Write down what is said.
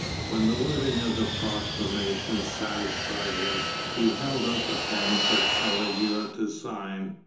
When the wording of the proclamation satisfied him, he held out the pen for Caligula to sign.